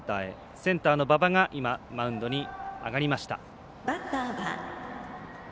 センターの馬場が今、マウンドに上がりました。